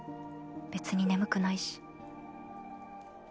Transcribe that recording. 別に眠くないし